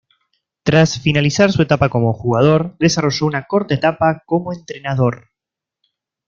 Tras finalizar su etapa como jugador, desarrolló una corta etapa como entrenador.